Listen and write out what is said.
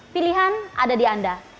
pilihan ada di anda